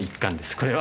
これは。